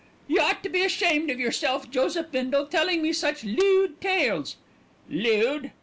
"Y' ought to be ashamed of yourself, Joseph Bindle, telling me such lewd tales." "'Lewd!'